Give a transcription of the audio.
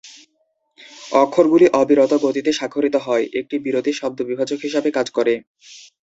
অক্ষরগুলি অবিরত গতিতে স্বাক্ষরিত হয়; একটি বিরতি শব্দ বিভাজক হিসাবে কাজ করে।